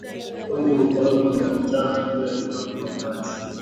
huku kukiwepo mivutano juu ya kiwango ambacho